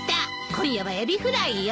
今夜はエビフライよ。